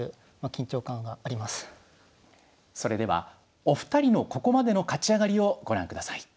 それではお二人のここまでの勝ち上がりをご覧ください。